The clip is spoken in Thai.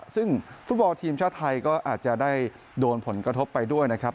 ซึ่งฟุตบอลทีมชาติไทยก็อาจจะได้โดนผลกระทบไปด้วยนะครับ